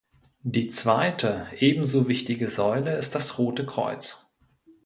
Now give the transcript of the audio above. Die zweite ebenso wichtige Säule ist das Rote Kreuz.